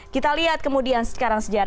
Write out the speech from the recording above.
kita lihat kemudian sekarang